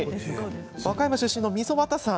和歌山出身の溝端さん